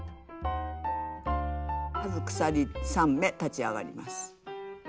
まず鎖３目立ち上がります。